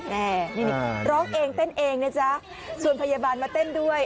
แม่นี่ร้องเองเต้นเองนะจ๊ะส่วนพยาบาลมาเต้นด้วย